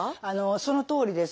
そのとおりです。